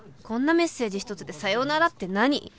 こんなメッセージ一つでさよならって何？